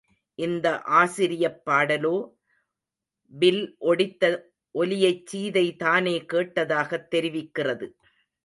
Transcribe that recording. இந்த ஆசிரியப் பாடலோ, வில் ஒடித்த ஒலியைச் சீதை தானே கேட்டதாகத் தெரிவிக்கிறது.